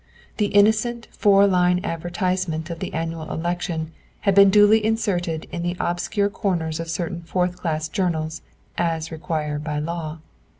The innocent four line advertisement of the annual election had been duly inserted in the obscure corners of certain fourth class journals, "as required by law."